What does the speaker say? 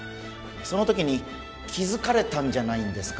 その時に気づかれたんじゃないんですか？